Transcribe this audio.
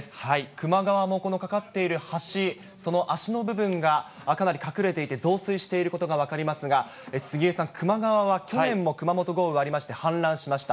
球磨川もこの架かっている橋、その脚の部分が、かなり隠れていて増水していることが分かりますが、杉江さん、球磨川は去年も熊本豪雨がありまして氾濫しました。